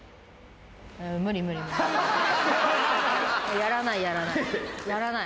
やらないやらない。